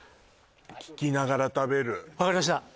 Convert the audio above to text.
聞きながら食べる分かりました